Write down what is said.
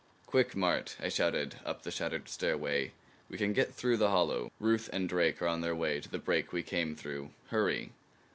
"Quick, Mart!" I shouted up the shattered stairway. "We can get through the hollow. Ruth and Drake are on their way to the break we came through. Hurry!"